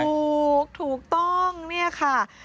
ถูกถูกต้องนี่ค่ะ